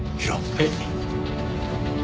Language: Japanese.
はい。